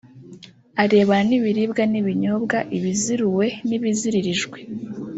arebana n’ibiribwa n’ibinyobwa ibiziruwe n’ibiziririjwe